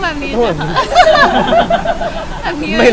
แบบในหนังก็แบบนี้